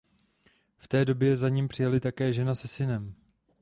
V té době za ním přijeli také žena se synem.